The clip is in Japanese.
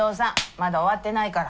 まだ終わってないから。